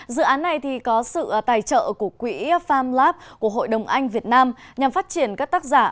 dự án này có sự tài trợ của quỹ farm lab của hội đồng anh việt nam nhằm phát triển các tác giả